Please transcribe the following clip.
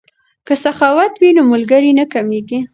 که سخاوت وي نو ملګری نه کمیږي.